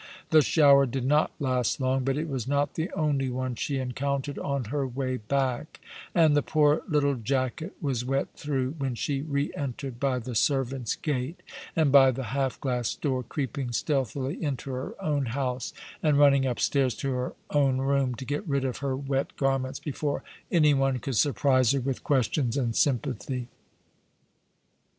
The shower did not last long, but it was not the only one she encountered on her way back, and the poor little jacket was wet through when she re entered by the servant's gate, and by the half glass door, creeping stealthily into her own house and running upstairs to her own room to get rid of her wet garments before any one could surprise her with questions and sympathy.